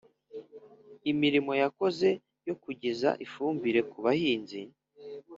imirimo yakoze yo kugeza ifumbire ku bahinzi